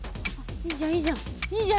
いいじゃんいいじゃん。